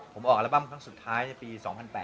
ผมออกอัลบั้มครั้งสุดท้ายในปี๒๐๐๘